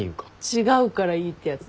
違うからいいってやつだ。